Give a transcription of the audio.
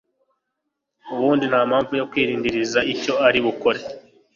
ubundi ntampamvu yo kwirindiriza icyo uri bukore